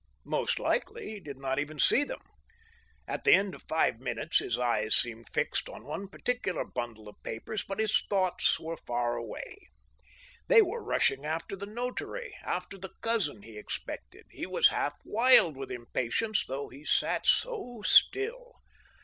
Most likely he did not even see them. At the end of five minutes his eyes seemed fixed on one particular bundle of papers, but his thoughts were far away ; they were rushing after the notary, after the cousin he expected ; he was half wild with impatience, though he sat so still.